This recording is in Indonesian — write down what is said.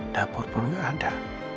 dapur pun gak ada